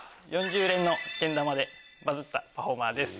４０連のけん玉でバズったパフォーマーです。